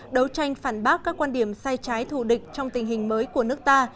đấu tranh phản bác các quan điểm sai trái thù địch trong tình hình mới của nước ta